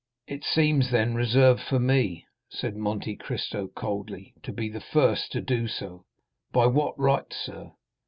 "It seems, then, reserved for me," said Monte Cristo coldly, "to be the first to do so." "By what right, sir?"